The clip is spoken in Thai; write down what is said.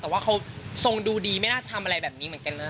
แต่ว่าเขาทรงดูดีไม่น่าทำอะไรแบบนี้เหมือนกันนะ